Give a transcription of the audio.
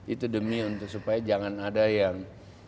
itu demi untuk supaya jangan ada yang